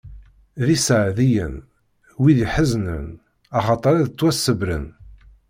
D iseɛdiyen, wid iḥeznen, axaṭer ad ttwaṣebbren!